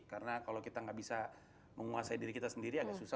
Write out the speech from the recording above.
karena kalau kita gak bisa menguasai diri kita sendiri agak susah